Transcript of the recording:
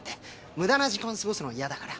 無駄な時間を過ごすのは嫌だから。